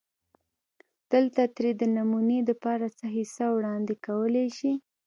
دلته ترې دنمونې دپاره څۀ حصه وړاندې کولی شي